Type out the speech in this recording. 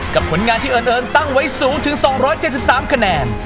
กับผลงานที่เอิ้นเอิ้นตั้งไว้สูงถึงสองร้อยเจ็ดสิบสามคะแนน